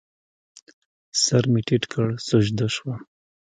سر مې ټیټ کړ، سجده شوم